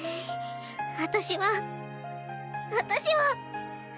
私は私は。